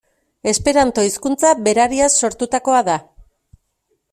Esperanto hizkuntza berariaz sortutakoa da.